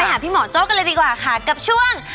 หาพี่หมอโจ้กันเลยดีกว่าค่ะกับช่วง